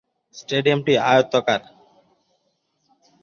স্টেডিয়ামটি আয়তাকার।